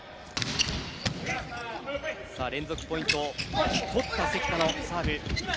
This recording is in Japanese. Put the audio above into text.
連続ポイントを取った関田のサーブ。